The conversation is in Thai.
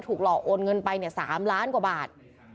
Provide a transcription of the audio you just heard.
ถูกหล่อโอนเงินไป๓ล้านกว่าบาท